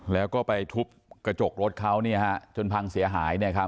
แล้วก็ไปทุบกระจกรถเขาจนพังเสียหาย